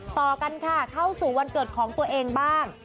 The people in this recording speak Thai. ต่อกันค่ะเข้าสู่วันเกิดของตัวเองบ้าง